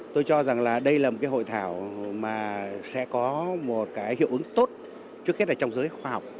tôi cho rằng là đây là một cái hội thảo mà sẽ có một cái hiệu ứng tốt trước hết là trong giới khoa học